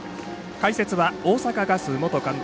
解説は大阪ガス元監督